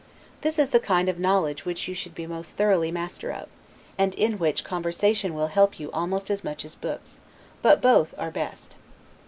This is the kind of knowledge which you should be most thoroughly master of, and in which conversation will help you almost as much as books: but both are best.